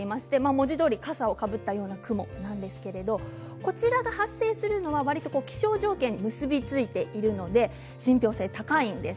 文字どおりかさをかぶったような雲なんですけれどこちらが発生するのは、わりと気象条件、結び付いているので信ぴょう性が高いんです。